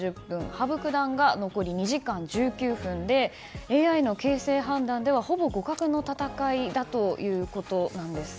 羽生九段が残り２時間１９分でＡＩの形勢判断ではほぼ互角の戦いだということです。